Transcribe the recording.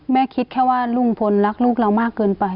แม่คิดแค่ว่าลุงพลรักลูกเรามากเกินไป